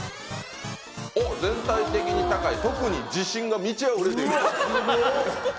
全体的に高い特に自信が満ちあふれているうわすごっ！